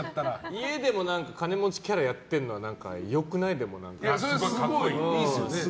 家でも金持ちキャラやっているのは格好いい。